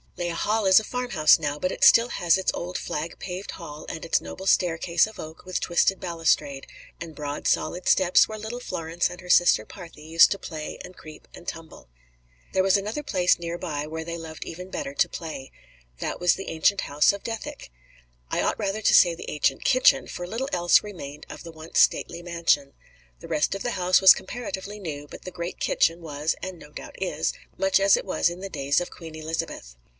Lea Hall is a farmhouse now, but it still has its old flag paved hall and its noble staircase of oak with twisted balustrade, and broad solid steps where little Florence and her sister "Parthe" used to play and creep and tumble. There was another place near by where they loved even better to play; that was the ancient house of Dethick. I ought rather to say the ancient kitchen, for little else remained of the once stately mansion. The rest of the house was comparatively new, but the great kitchen was (and no doubt is) much as it was in the days of Queen Elizabeth.